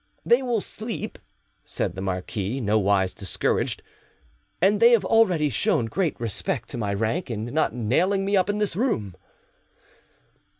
"They will sleep," said the marquis, nowise discouraged, "and they have already shown great respect to my rank in not nailing me up in this room."